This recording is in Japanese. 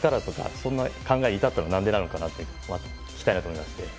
そんな考えに至ったのは何でかなと聞きたいなと思いまして。